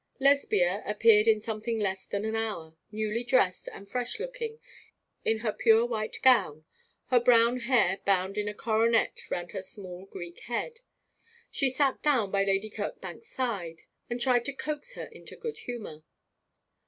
Lesbia appeared in something less than an hour, newly dressed and fresh looking, in her pure white gown, her brown hair bound in a coronet round her small Greek head. She sat down by Lady Kirkbank's side, and tried to coax her into good humour.